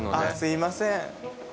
すいません。